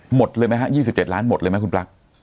หมดเลยไหมฮะ๒๗ล้านหมดเลยไหมคุณปลั๊ก